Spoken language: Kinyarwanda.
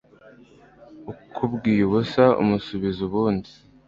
ukubwiye ubusa umusubiza ubundi